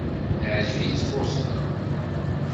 Teɛjeb-itt Boston.